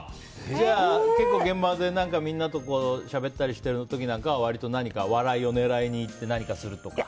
じゃあ現場でみんなとしゃべっている時とか割と何か笑いを狙いにいって何かするとか？